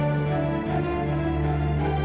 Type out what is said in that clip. nggak bisa gembel